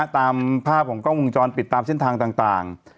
ตามภาพของกล้องวงจรปิดตามเส้นทางต่าง